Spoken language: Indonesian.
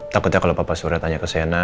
takutnya kalau bapak suria tanya ke sena